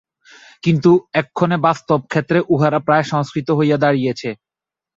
কিন্তু এক্ষণে বাস্তব ক্ষেত্রে উহারা প্রায় সংস্কৃতই হইয়া দাঁড়াইয়াছে।